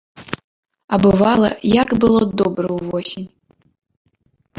А бывала, як было добра ўвосень!